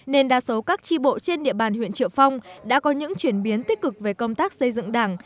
nên đa số các tri bộ trên địa bàn huyện triệu phong đã có những chuyển biến tích cực về công tác xây dựng đảng